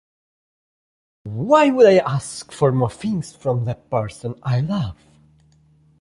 Why would I ask for more things from the person I love.